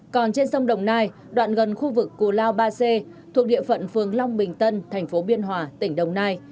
còn trên sông đồng nai đoạn gần khu vực cù lao ba c thuộc địa phận phường long bình tân thành phố biên hòa tỉnh đồng nai